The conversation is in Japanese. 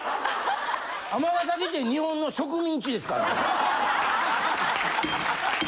尼崎って日本の植民地ですから。